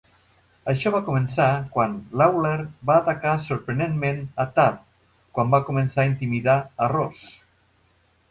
Això va començar quan Lawler va atacar sorprenentment a Tazz, quan va començar a intimidar a Ross.